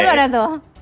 ini mana tuh